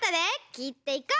きっていこう。